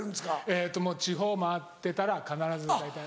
えっともう地方回ってたら必ず大体。